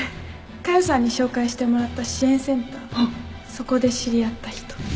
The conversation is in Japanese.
そこで知り合った人